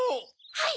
・・はい！